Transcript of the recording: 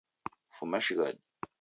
Fuma shighadi